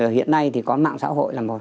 hiện nay có mạng xã hội